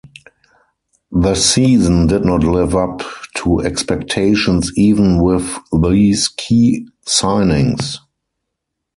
The season did not live up to expectations even with these key signings.